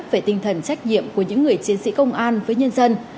về tinh thần trách nhiệm của những người dân